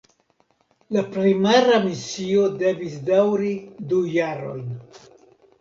La primara misio devis daŭri du jarojn.